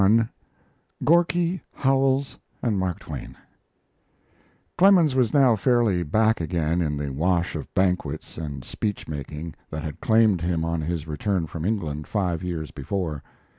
CCXLI. GORKY, HOWELLS, AND MARK TWAIN Clemens was now fairly back again in the wash of banquets and speech making that had claimed him on his return from England, five years before.